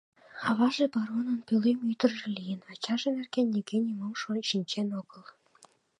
Аваже баронын пӧлем-ӱдыржӧ лийын, ачаже нерген нигӧ нимом шинчен огыл.